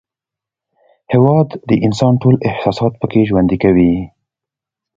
هېواد د انسان ټول احساسات پکې ژوند کوي.